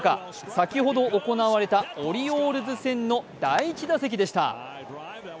先ほど行われたオリオールズ戦の第１打席でした。